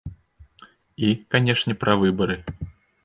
І, канешне, пра выбары.